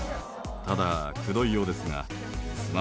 ただくどいようですが。